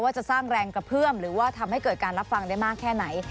จะสร้างแรงกระเพื่อมหรือว่าทำให้เกิดการรับฟังได้มากแค่ไหน